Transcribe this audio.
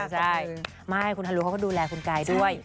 ใช่ไม่คุณฮารุเขาก็ดูแลคุณกายด้วย